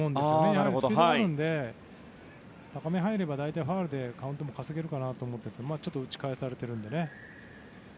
やはりスピードがあるので高めに入れば大体はファウルでカウントが稼げるのかなと思ったら打ち返されているので。